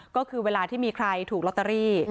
ก็คือเวลาที่มีใครถูกลอตเตอรี่